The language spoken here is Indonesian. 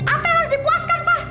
apa yang harus dipuaskan pak